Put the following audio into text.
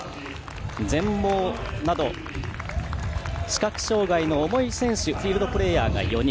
全盲など視覚障がいの重い選手フィールドプレーヤーが４人。